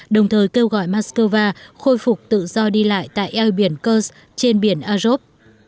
đồng thời kêu gọi moscow khôi phục tự do đi lại tại eo biển kurs trên biển azov